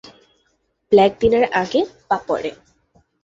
Black দিনের আগে বা পরে।